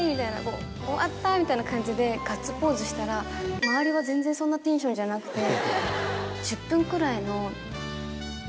終わった！みたいな感じでガッツポーズしたら周りは全然そんなテンションじゃなくて。